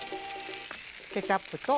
ケチャップと。